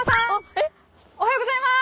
えっ⁉おはようございます！